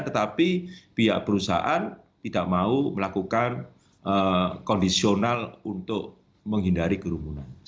tetapi pihak perusahaan tidak mau melakukan kondisional untuk menghindari kerumunan